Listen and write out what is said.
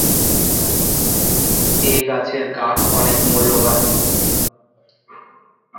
এ গাছের কাঠ অনেক মূল্যবান।